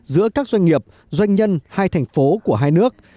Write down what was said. giữa các doanh nghiệp doanh nhân hai thành phố của hai nước